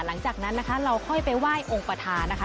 หลังจากนั้นนะคะเราค่อยไปไหว้องค์ประธานนะคะ